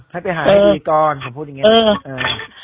ให้ไปหาให้ดีก่อนผมพูดอย่างนี้